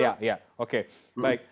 ya ya oke baik